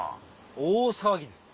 大騒ぎです。